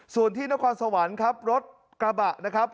ส่วนที่นครสวรรค์ครับรถกระบะนะครับ